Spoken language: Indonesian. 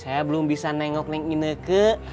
saya belum bisa nengok neng ineke